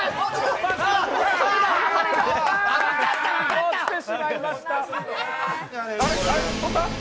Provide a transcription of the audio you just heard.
落ちてしまいました。